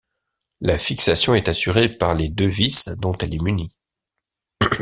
La fixation est assurée par les deux vis dont elle est munie.